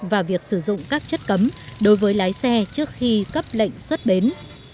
và việc sử dụng các chất cấm đối với lái xe trước khi cấp lệnh xuất bến